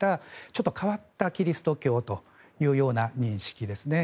ちょっと変わったキリスト教というような認識ですね。